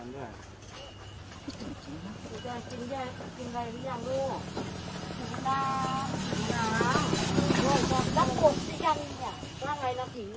เดินไปรับภัยก่อนหน้ากลับเที่ยว